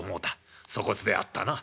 粗こつであったな」。